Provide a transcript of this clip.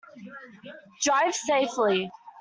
Drive safely!